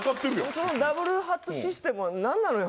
そのダブルハットシステムは何なのよ